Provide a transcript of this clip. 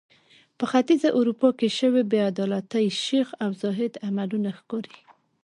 په ختیځه اروپا کې شوې بې عدالتۍ شیخ او زاهد عملونه ښکاري.